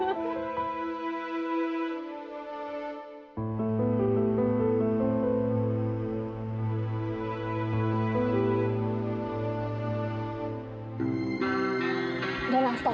udah lah stop